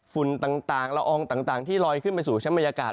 ฝุ่นต่างละอองต่างที่ลอยขึ้นไปสู่ชั้นบรรยากาศ